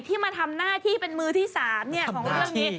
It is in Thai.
มาทำหน้าที่เป็นมือที่๓ของเรื่องนี้